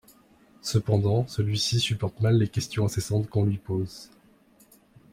Cependant, celui-ci supporte mal les questions incessantes qu'on lui pose.